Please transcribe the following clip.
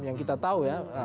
yang kita tahu ya